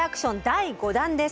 第５弾です。